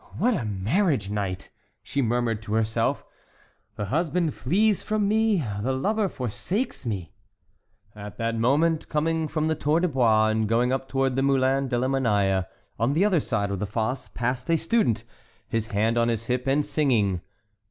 "What a marriage night!" she murmured to herself; "the husband flees from me—the lover forsakes me!" At that moment, coming from the Tour de Bois, and going up toward the Moulin de la Monnaie, on the other side of the fosse passed a student, his hand on his hip, and singing: "SONG.